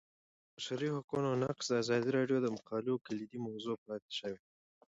د بشري حقونو نقض د ازادي راډیو د مقالو کلیدي موضوع پاتې شوی.